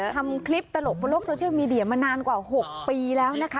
ทำคลิปตลกบนโลกโซเชียลมีเดียมานานกว่า๖ปีแล้วนะคะ